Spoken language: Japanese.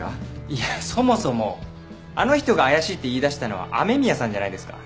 いやそもそもあの人が怪しいって言い出したのはアメミヤさんじゃないですか。